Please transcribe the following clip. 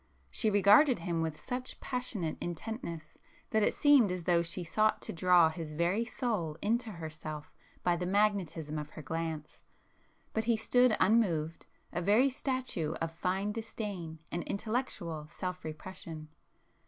She regarded him with such passionate intentness that it seemed as though she sought to draw his very soul into herself by the magnetism of her glance,—but he stood unmoved, a very statue of fine disdain and intellectual self repression.